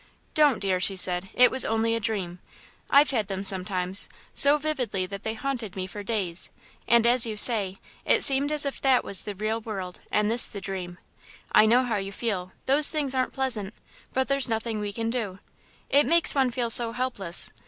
"Don't, dear," she said, "It was only a dream. I've had them sometimes, so vividly that they haunted me for days and, as you say, it seemed as if that was the real world and this the dream. I know how you feel those things aren't pleasant, but there's nothing we can do. It makes one feel so helpless.